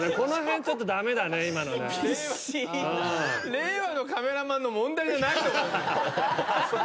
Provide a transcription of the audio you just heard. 令和のカメラマンの問題じゃないと思う。